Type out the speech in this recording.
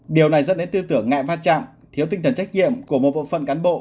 điều này dẫn đến tư tưởng ngại va chạm thiếu tinh thần trách nhiệm của một bộ phận cán bộ